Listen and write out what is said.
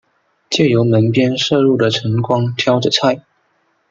借由门边射入的晨光挑著菜